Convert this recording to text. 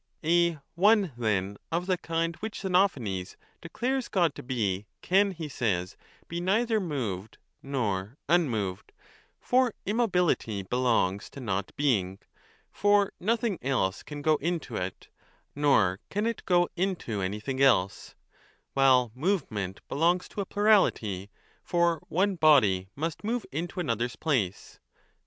A One, then, of the kind which Xenophanes declares God to be can, he says, be neither moved nor unmoved ; for 10 immobility belongs to Not being (for nothing else can go into it, nor can it go into anything else) ; while movement belongs to a plurality, for one body must move into another s place.